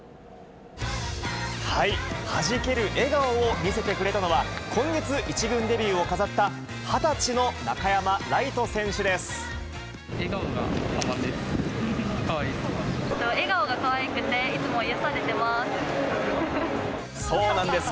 はじける笑顔を見せてくれたのは、今月、１軍デビューを飾った、笑顔がたまらないです。